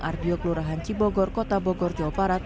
ardiok lurahan cibogor kota bogor jawa parat